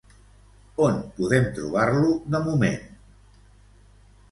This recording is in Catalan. On podem trobar-lo de moment?